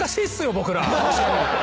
僕ら。